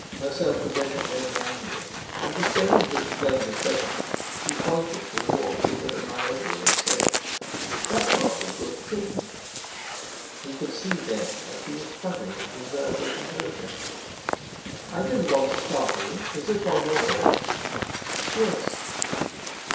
Her self possession made him angry; and, disdaining to explain his presence, he pointed to the mournful little Niobe, and said: "That's rather a good thing." He could see, then, that she was struggling to preserve her composure. "I didn't want to startle you; is this one of your haunts?" "Yes."